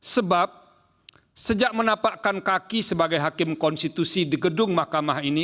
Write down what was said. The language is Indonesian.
sebab sejak menapakkan kaki sebagai hakim konstitusi di gedung mahkamah ini